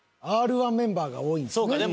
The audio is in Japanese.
Ｒ−１メンバーが多いんですね。